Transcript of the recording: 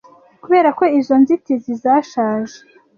kubera ko izo nzitizi zashaje